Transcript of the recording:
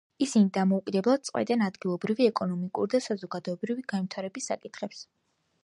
ისინი დამოუკიდებლად წყვეტენ ადგილობრივი ეკონომიკური და საზოგადოებრივი განვითარების საკითხებს.